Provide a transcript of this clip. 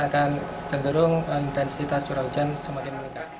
akan jendurung intensitas jura hujan semakin meningkat